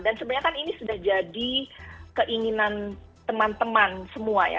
dan sebenarnya kan ini sudah jadi keinginan teman teman semua ya